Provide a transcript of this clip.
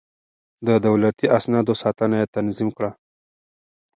د دولتي اسنادو ساتنه يې تنظيم کړه.